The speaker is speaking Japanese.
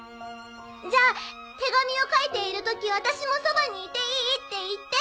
じゃあ手紙を書いている時私もそばにいていいって言って。